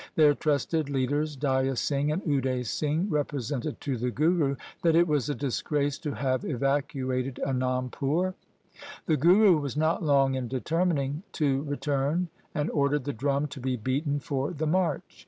Their trusted leaders Daya Singh and Ude Singh represented to the Guru that it was a disgrace to have evacuated Anandpur. The Guru was not long in determining to return and ordered the drum to be beaten for the march.